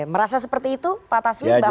merasa seperti itu pak taslim bahwa